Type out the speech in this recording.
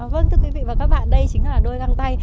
vâng thưa quý vị và các bạn đây chính là đôi găng tay